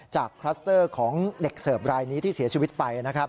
คลัสเตอร์ของเด็กเสิร์ฟรายนี้ที่เสียชีวิตไปนะครับ